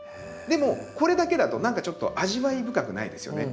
でもこれだけだと何かちょっと味わい深くないですよね。